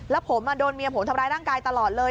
แล้วผมโดนเมียผมทำร้ายร่างกายตลอดเลย